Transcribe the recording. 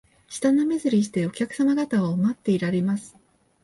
舌なめずりして、お客さま方を待っていられます